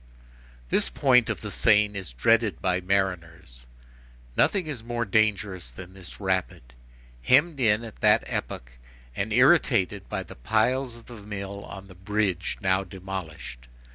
This point of the Seine is dreaded by mariners. Nothing is more dangerous than this rapid, hemmed in, at that epoch, and irritated by the piles of the mill on the bridge, now demolished.